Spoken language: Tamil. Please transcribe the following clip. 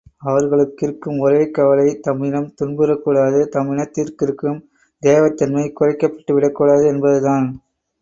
அவர்களுக்கிருக்கும் ஒரே கவலை தம் இனம் துன்புறக் கூடாது தம் இனத்திற்கிருக்கும் தேவத் தன்மை குறைக்கப்பட்டுவிடக் கூடாது என்பதுதான்.